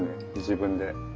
自分で。